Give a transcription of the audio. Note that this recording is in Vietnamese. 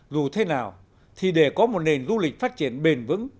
dù thế nào thì để có một nền du lịch phát triển bền vững